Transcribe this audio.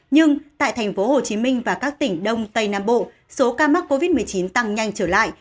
nhưng tại tp hcm và các tỉnh đông tây nam bộ số ca mắc covid một mươi chín tăng nhanh trở lại